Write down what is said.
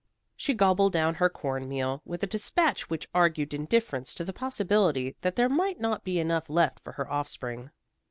She gobbled down her corn meal with a dispatch which argued indifference to the possibility that there might not be enough left for her offspring.